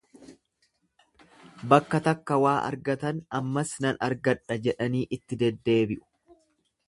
Bakka takka waa argatan ammas nan argadha jedhanii itti daddeebi'u.